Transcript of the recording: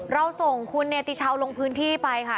เราส่งคุณเนติชาวลงพื้นที่ไปค่ะ